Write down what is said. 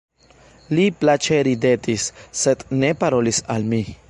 Li plaĉe ridetis, sed ne parolis al mi.